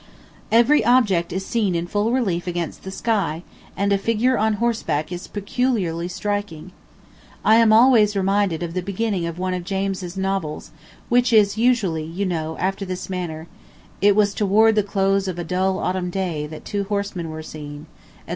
Every object is seen in full relief against the sky, and a figure on horseback is peculiarly striking. I am always reminded of the beginning of one of James's novels, which is usually, you know, after this manner: "It was toward the close of a dull autumn day that two horsemen were seen," etc.